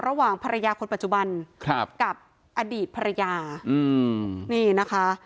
ระหว่างภรรยาคนปัจจุบันครับกับอดีตภรรยาอืมนี่นะคะ